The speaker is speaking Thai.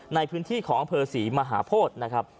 ในพื้นที่ของมาหะพศ